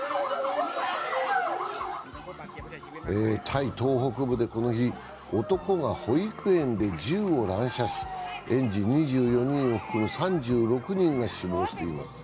タイ東北部でこの日、男が保育園で銃を乱射し園児２４人を含む３６人が死亡しています。